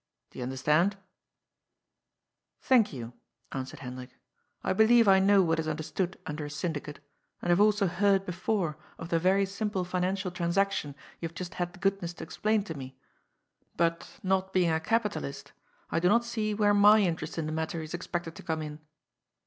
Do you understand ?" "Thank you," answered Hendrik. "I believe I know what is understood under a syndicate, and I have also heard before of the very simple financial transaction you have just had the goodness to explain to me. But, not being a capitalist, I do not see where my interest in the matter is expected to come in."